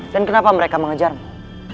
dan kenapa mereka mengejarmu